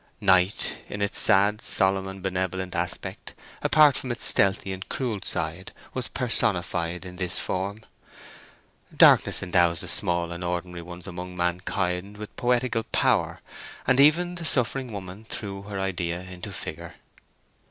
Night, in its sad, solemn, and benevolent aspect, apart from its stealthy and cruel side, was personified in this form. Darkness endows the small and ordinary ones among mankind with poetical power, and even the suffering woman threw her idea into figure.